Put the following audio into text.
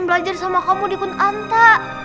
belajar sama kamu di konanta